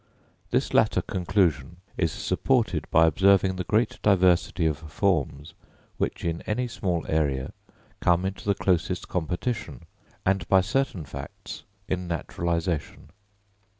This latter conclusion is supported by observing the great diversity of forms, which, in any small area, come into the closest competition, and by certain facts in naturalisation.